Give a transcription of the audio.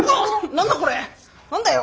何だよ。